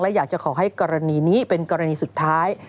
อยากจะขอให้กรณีนี้เป็นกรณีสุดท้าย